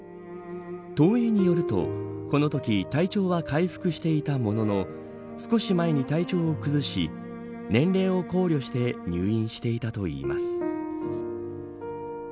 東映によると、このとき体調は回復していたものの少し前に体調を崩し年齢を考慮して入院していたといいます。